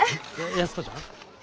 安子ちゃん？